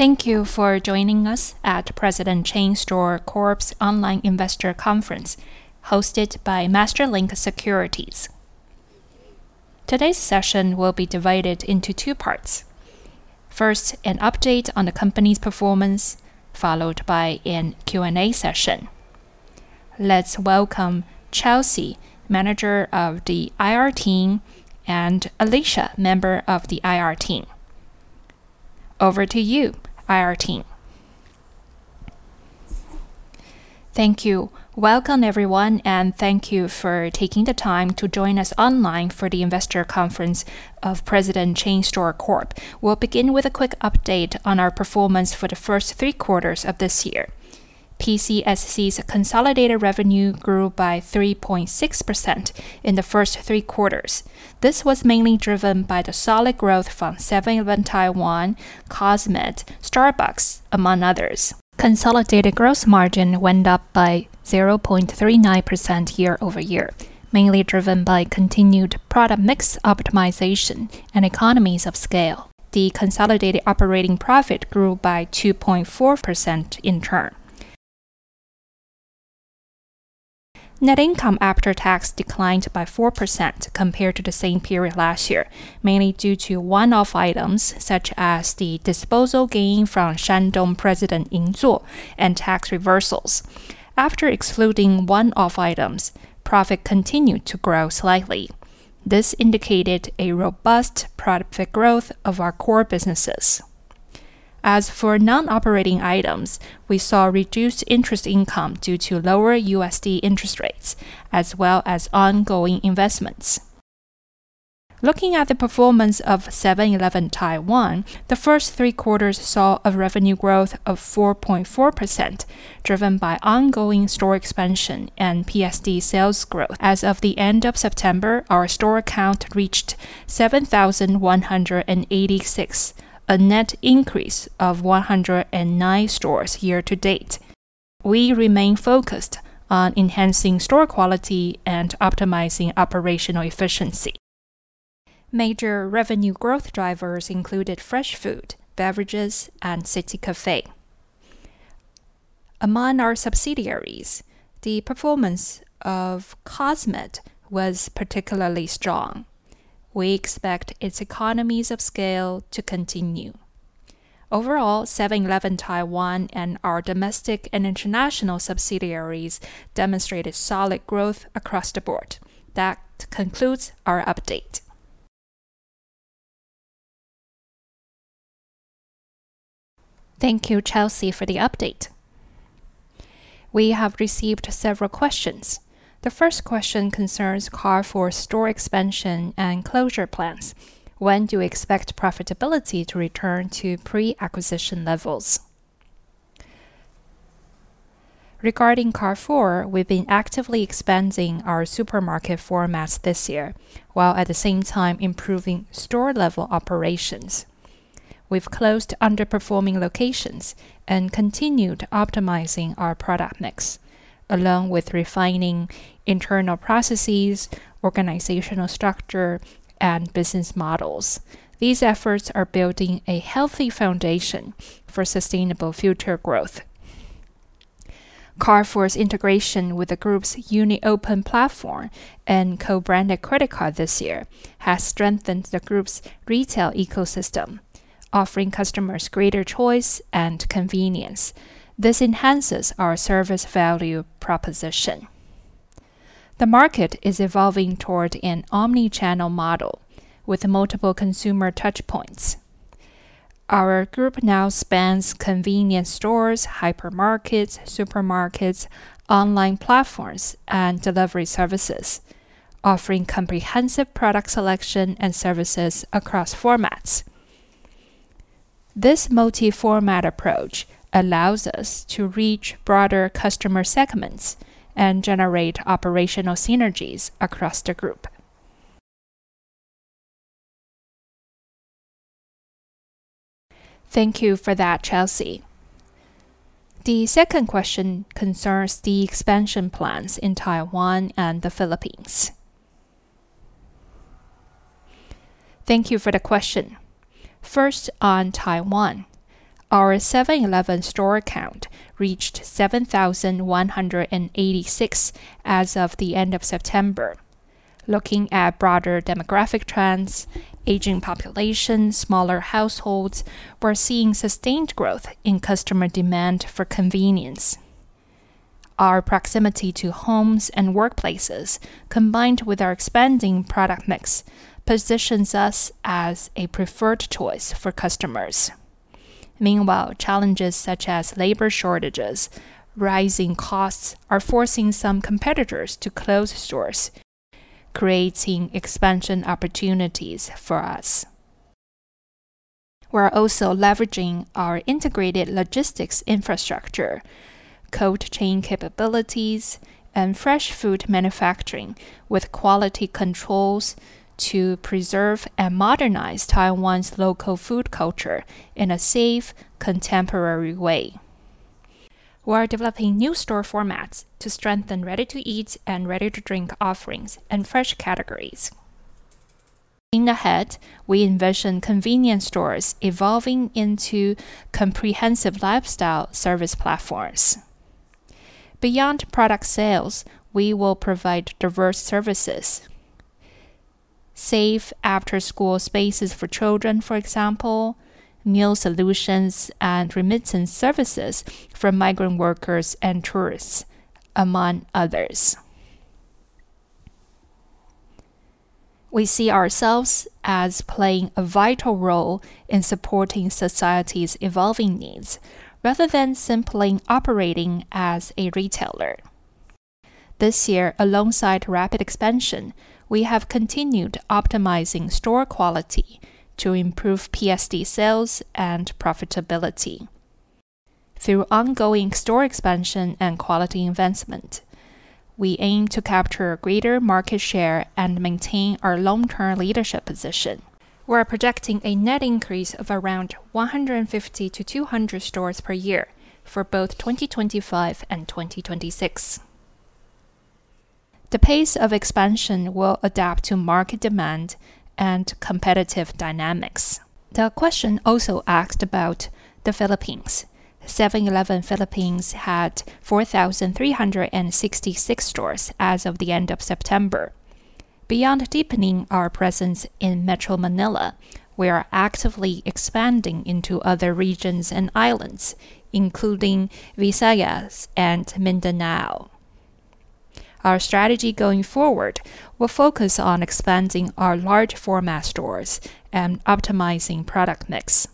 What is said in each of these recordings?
Thank you for joining us at President Chain Store Corp's online investor conference hosted by MasterLink Securities. Today's session will be divided into two parts. First, an update on the company's performance, followed by a Q&A session. Let's welcome Chelsea, Manager of the IR team, and Alicia, Member of the IR team. Over to you, IR team. Thank you. Welcome everyone, thank you for taking the time to join us online for the investor conference of President Chain Store Corp. We'll begin with a quick update on our performance for the first three quarters of this year. PCSC's consolidated revenue grew by 3.6% in the first three quarters. This was mainly driven by the solid growth from 7-Eleven Taiwan, COSMED, Starbucks, among others. Consolidated gross margin went up by 0.39% year-over-year, mainly driven by continued product mix optimization and economies of scale. The consolidated operating profit grew by 2.4% in turn. Net income after tax declined by 4% compared to the same period last year, mainly due to one-off items such as the disposal gain from Shandong President Yinzuo and tax reversals. After excluding one-off items, profit continued to grow slightly. This indicated a robust profit growth of our core businesses. As for non-operating items, we saw reduced interest income due to lower USD interest rates as well as ongoing investments. Looking at the performance of 7-Eleven Taiwan, the first three quarters saw a revenue growth of 4.4%, driven by ongoing store expansion and PSD sales growth. As of the end of September, our store count reached 7,186, a net increase of 109 stores year to date. We remain focused on enhancing store quality and optimizing operational efficiency. Major revenue growth drivers included fresh food, beverages, and CITY CAFE. Among our subsidiaries, the performance of COSMED was particularly strong. We expect its economies of scale to continue. Overall, 7-Eleven Taiwan and our domestic and international subsidiaries demonstrated solid growth across the board. That concludes our update. Thank you, Chelsea, for the update. We have received several questions. The first question concerns Carrefour store expansion and closure plans. When do we expect profitability to return to pre-acquisition levels? Regarding Carrefour, we've been actively expanding our supermarket formats this year, while at the same time improving store-level operations. We've closed underperforming locations and continued optimizing our product mix, along with refining internal processes, organizational structure, and business models. These efforts are building a healthy foundation for sustainable future growth. Carrefour's integration with the group's UNIOPEN platform and co-branded credit card this year has strengthened the group's retail ecosystem, offering customers greater choice and convenience. This enhances our service value proposition. The market is evolving toward an omni-channel model with multiple consumer touchpoints. Our group now spans convenience stores, hypermarkets, supermarkets, online platforms, and delivery services, offering comprehensive product selection and services across formats. This multi-format approach allows us to reach broader customer segments and generate operational synergies across the group. Thank you for that, Chelsea. The second question concerns the expansion plans in Taiwan and the Philippines. Thank you for the question. First, on Taiwan, our 7-Eleven store count reached 7,186 as of the end of September. Looking at broader demographic trends, aging population, smaller households, we're seeing sustained growth in customer demand for convenience. Our proximity to homes and workplaces, combined with our expanding product mix, positions us as a preferred choice for customers. Meanwhile, challenges such as labor shortages, rising costs are forcing some competitors to close stores, creating expansion opportunities for us. We're also leveraging our integrated logistics infrastructure, cold chain capabilities, and fresh food manufacturing with quality controls to preserve and modernize Taiwan's local food culture in a safe, contemporary way. We are developing new store formats to strengthen ready-to-eat and ready-to-drink offerings in fresh categories. Looking ahead, we envision convenience stores evolving into comprehensive lifestyle service platforms. Beyond product sales, we will provide diverse services, safe after-school spaces for children, for example, meal solutions, and remittance services for migrant workers and tourists, among others. We see ourselves as playing a vital role in supporting society's evolving needs, rather than simply operating as a retailer. This year, alongside rapid expansion, we have continued optimizing store quality to improve PSD sales and profitability. Through ongoing store expansion and quality investment, we aim to capture a greater market share and maintain our long-term leadership position. We're projecting a net increase of around 150-200 stores per year for both 2025 and 2026. The pace of expansion will adapt to market demand and competitive dynamics. The question also asked about the Philippines. 7-Eleven Philippines had 4,366 stores as of the end of September. Beyond deepening our presence in Metro Manila, we are actively expanding into other regions and islands, including Visayas and Mindanao. Our strategy going forward will focus on expanding our large format stores and optimizing product mix.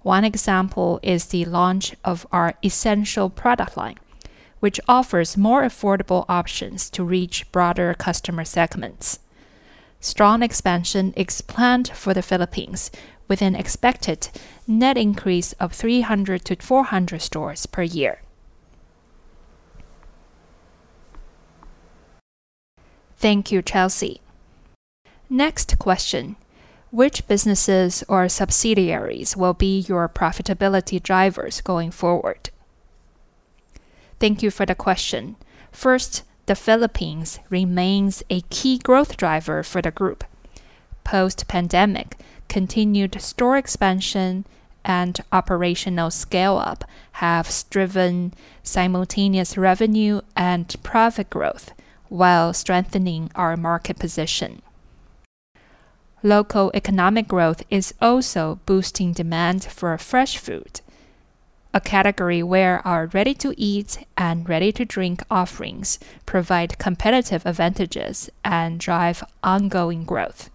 One example is the launch of our Essential product line, which offers more affordable options to reach broader customer segments. Strong expansion is planned for the Philippines with an expected net increase of 300-400 stores per year. Thank you, Chelsea. Next question: Which businesses or subsidiaries will be your profitability drivers going forward? Thank you for the question. The Philippines remains a key growth driver for the group. Post-pandemic, continued store expansion and operational scale-up have driven simultaneous revenue and profit growth while strengthening our market position. Local economic growth is also boosting demand for fresh food, a category where our ready-to-eat and ready-to-drink offerings provide competitive advantages and drive ongoing growth.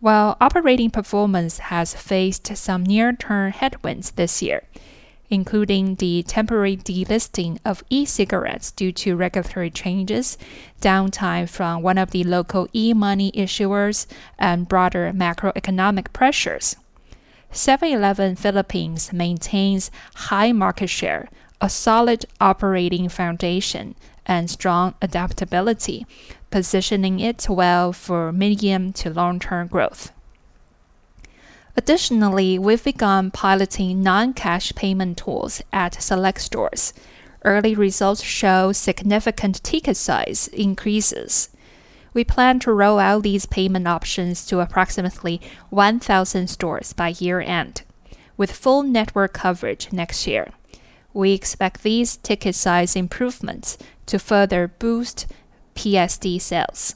While operating performance has faced some near-term headwinds this year, including the temporary delisting of e-cigarettes due to regulatory changes, downtime from one of the local e-money issuers, and broader macroeconomic pressures, 7-Eleven Philippines maintains high market share, a solid operating foundation, and strong adaptability, positioning it well for medium to long-term growth. We've begun piloting non-cash payment tools at select stores. Early results show significant ticket size increases. We plan to roll out these payment options to approximately 1,000 stores by year-end. With full network coverage next year, we expect these ticket size improvements to further boost PSD sales.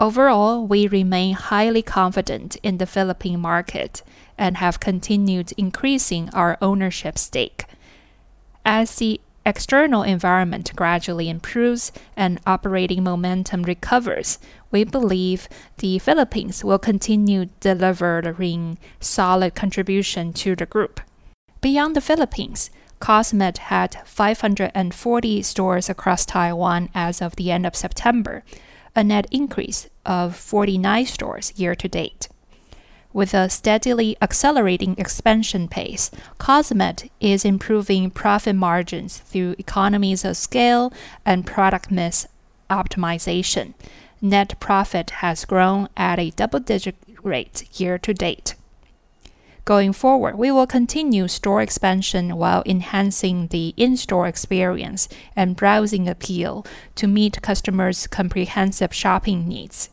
Overall, we remain highly confident in the Philippine market and have continued increasing our ownership stake. As the external environment gradually improves and operating momentum recovers, we believe the Philippines will continue delivering solid contribution to the group. Beyond the Philippines, COSMED had 540 stores across Taiwan as of the end of September, a net increase of 49 stores year to date. With a steadily accelerating expansion pace, COSMED is improving profit margins through economies of scale and product mix optimization. Net profit has grown at a double-digit rate year to date. Going forward, we will continue store expansion while enhancing the in-store experience and browsing appeal to meet customers' comprehensive shopping needs.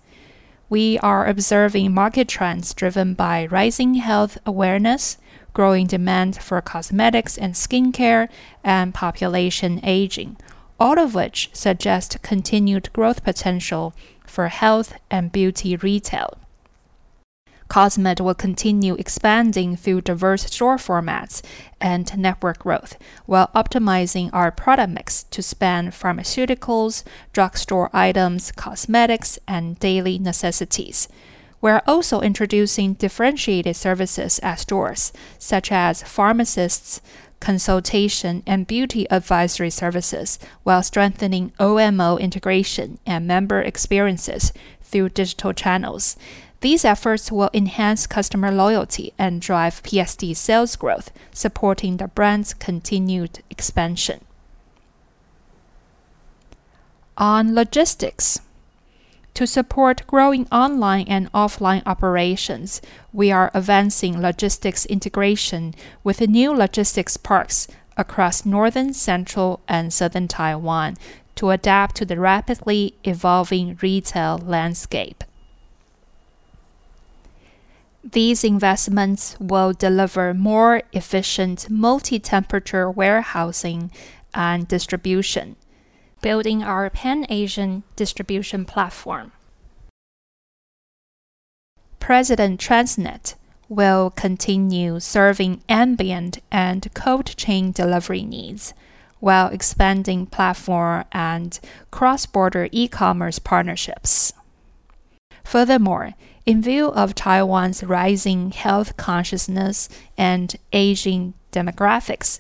We are observing market trends driven by rising health awareness, growing demand for cosmetics and skincare, and population aging, all of which suggest continued growth potential for health and beauty retail. COSMED will continue expanding through diverse store formats and network growth while optimizing our product mix to span pharmaceuticals, drugstore items, cosmetics, and daily necessities. We're also introducing differentiated services at stores such as pharmacists, consultation, and beauty advisory services while strengthening OMO integration and member experiences through digital channels. These efforts will enhance customer loyalty and drive PSD sales growth, supporting the brand's continued expansion. On logistics. To support growing online and offline operations, we are advancing logistics integration with the new logistics parks across northern, central, and southern Taiwan to adapt to the rapidly evolving retail landscape. These investments will deliver more efficient multi-temperature warehousing and distribution, building our Pan-Asian distribution platform. President Transnet will continue serving ambient and cold chain delivery needs while expanding platform and cross-border e-commerce partnerships. Furthermore, in view of Taiwan's rising health consciousness and aging demographics,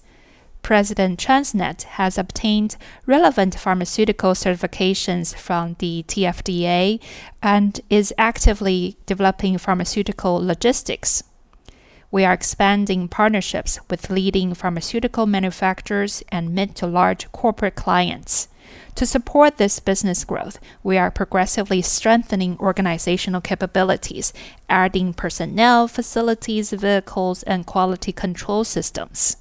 President Transnet has obtained relevant pharmaceutical certifications from the TFDA and is actively developing pharmaceutical logistics. We are expanding partnerships with leading pharmaceutical manufacturers and mid to large corporate clients. To support this business growth, we are progressively strengthening organizational capabilities, adding personnel, facilities, vehicles, and quality control systems.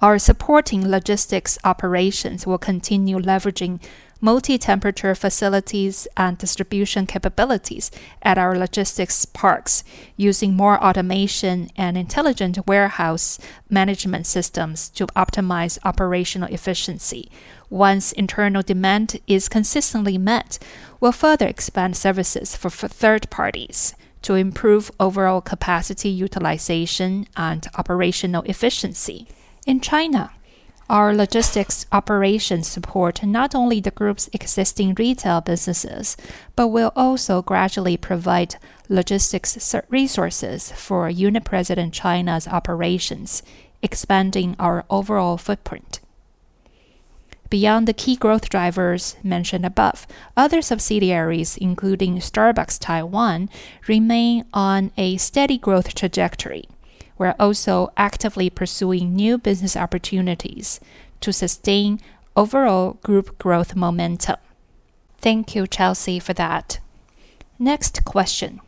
Our supporting logistics operations will continue leveraging multi-temperature facilities and distribution capabilities at our logistics parks, using more automation and intelligent warehouse management systems to optimize operational efficiency. Once internal demand is consistently met, we'll further expand services for third parties to improve overall capacity utilization and operational efficiency. In China, our logistics operations support not only the group's existing retail businesses but will also gradually provide logistics resources for Uni-President China's operations, expanding our overall footprint. Beyond the key growth drivers mentioned above, other subsidiaries, including Starbucks Taiwan, remain on a steady growth trajectory. We are also actively pursuing new business opportunities to sustain overall group growth momentum. Thank you, Chelsea, for that. Next question: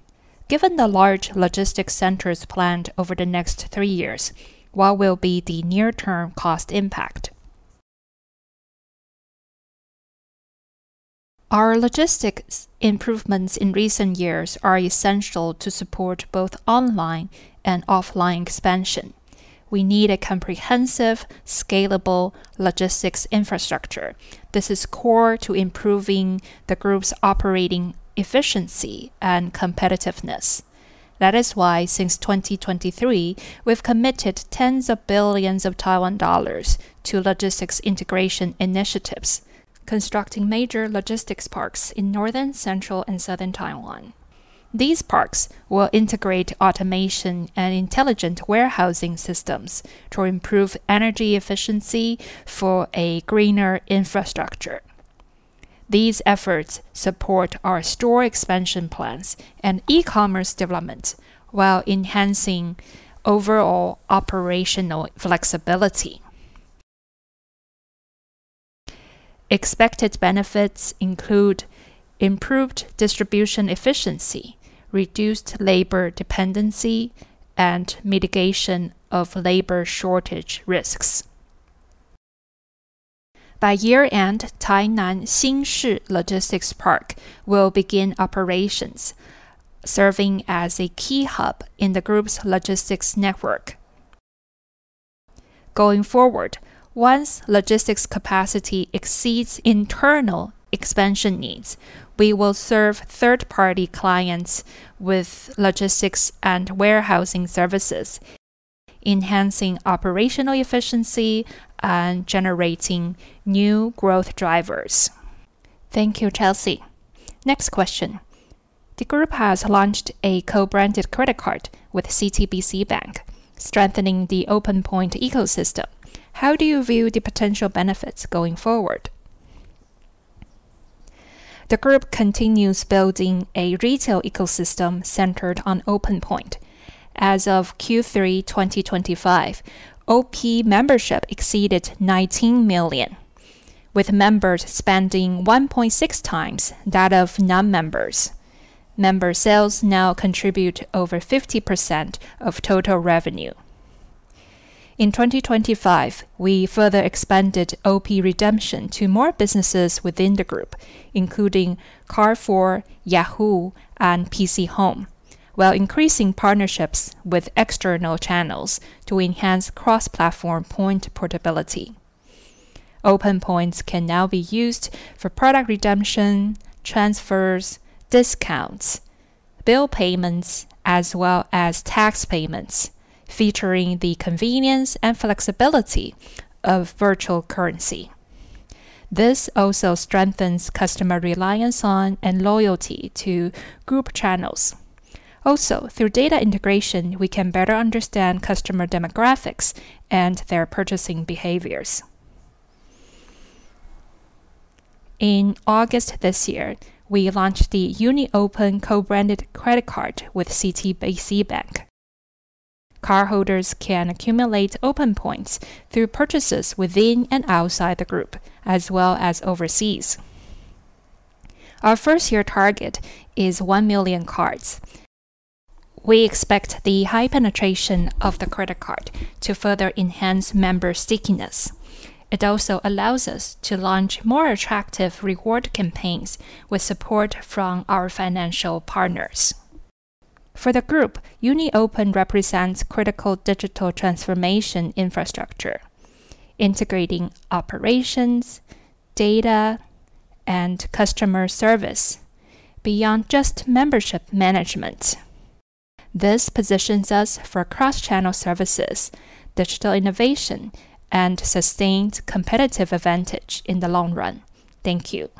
Given the large logistics centers planned over the next three years, what will be the near-term cost impact? Our logistics improvements in recent years are essential to support both online and offline expansion. We need a comprehensive, scalable logistics infrastructure. This is core to improving the group's operating efficiency and competitiveness. That is why, since 2023, we've committed tens of billions of Taiwan dollars to logistics integration initiatives, constructing major logistics parks in northern, central, and southern Taiwan. These parks will integrate automation and intelligent warehousing systems to improve energy efficiency for a greener infrastructure. These efforts support our store expansion plans and e-commerce development while enhancing overall operational flexibility. Expected benefits include improved distribution efficiency, reduced labor dependency, and mitigation of labor shortage risks. By year-end, Tainan Xinshi Logistics Park will begin operations, serving as a key hub in the group's logistics network. Going forward, once logistics capacity exceeds internal expansion needs, we will serve third-party clients with logistics and warehousing services, enhancing operational efficiency and generating new growth drivers. Thank you, Chelsea. Next question: The group has launched a co-branded credit card with CTBC Bank, strengthening the OPENPOINT ecosystem. How do you view the potential benefits going forward? The group continues building a retail ecosystem centered on OPENPOINT. As of Q3 2025, OP membership exceeded 19 million, with members spending 1.6x that of non-members. Member sales now contribute over 50% of total revenue. In 2025, we further expanded OP redemption to more businesses within the group, including Carrefour, Yahoo, and PChome, while increasing partnerships with external channels to enhance cross-platform point portability. OPENPOINT points can now be used for product redemption, transfers, discounts, bill payments, as well as tax payments, featuring the convenience and flexibility of virtual currency. Through data integration, we can better understand customer demographics and their purchasing behaviors. In August this year, we launched the UNIOPEN co-branded credit card with CTBC Bank. Cardholders can accumulate OPENPOINT points through purchases within and outside the group, as well as overseas. Our first-year target is 1 million cards. We expect the high penetration of the credit card to further enhance member stickiness. It also allows us to launch more attractive reward campaigns with support from our financial partners. For the group, UNIOPEN represents critical digital transformation infrastructure, integrating operations, data, and customer service beyond just membership management. This positions us for cross-channel services, digital innovation, and sustained competitive advantage in the long run. Thank you.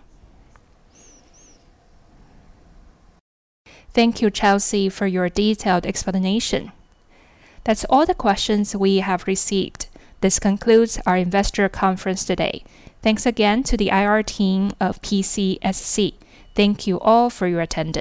Thank you, Chelsea, for your detailed explanation. That's all the questions we have received. This concludes our investor conference today. Thanks again to the IR team of PCSC. Thank you all for your attendance.